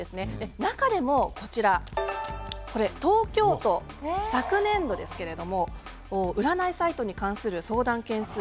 中でも東京都昨年度ですけれども占いサイトに関する相談件数